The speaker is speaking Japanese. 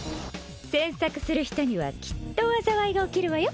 詮索する人にはきっと災いが起きるわよ